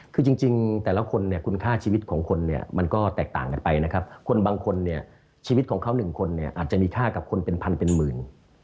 คุณบางคนเนี่ยชีวิตของเขาหนึ่งคนเนี่ยอาจจะมีค่ากับคนเป็นพันเป็นหมื่น